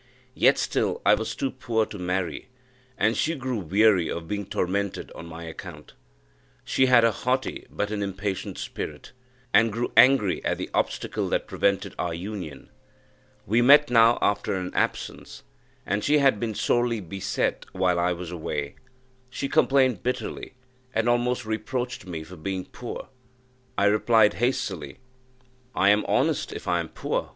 Yet still I was too poor to marry, and she grew weary of being tormented on my account. She had a haughty but an impatient spirit, and grew angry at the obstacle that prevented our union. We met now after an absence, and she had been sorely beset while I was away; she complained bitterly, and almost reproached me for being poor. I replied hastily, "I am honest, if I am poor!